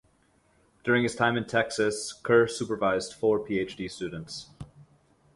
During his time in Texas, Kerr supervised four PhD students.